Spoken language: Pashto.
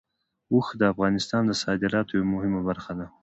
اوښ د افغانستان د صادراتو یوه مهمه برخه ده.